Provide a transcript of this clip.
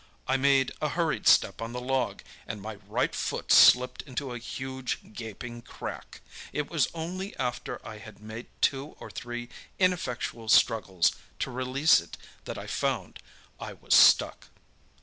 I made a hurried step on the log, and my right foot slipped into a huge, gaping crack. It was only after I had made two or three ineffectual struggles to release it that I found I was stuck.